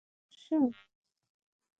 Sir, কোনো সমস্যা?